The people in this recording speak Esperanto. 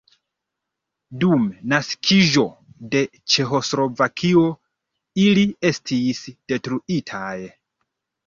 Dum naskiĝo de Ĉeĥoslovakio ili estis detruitaj.